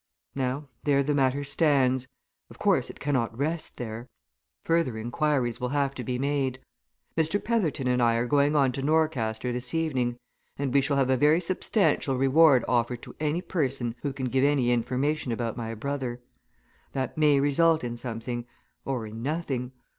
Now there the matter stands. Of course, it cannot rest there. Further inquiries will have to be made. Mr. Petherton and I are going on to Norcaster this evening, and we shall have a very substantial reward offered to any person who can give any information about my brother. That may result in something or in nothing.